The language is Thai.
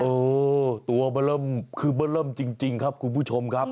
โอ้ตัวบะเริ่มคือบะเริ่มจริงครับคุณผู้ชมครับ